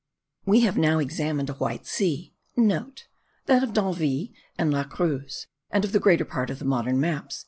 We have now examined a White Sea,* (* That of D'Anville and La Cruz, and of the greater part of the modern maps.)